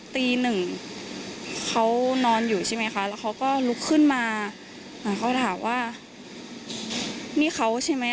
ตีหนึ่งเขานอนอยู่ใช่ไหมคะแล้วเขาก็ลุกขึ้นมาเขาถามว่านี่เขาใช่ไหม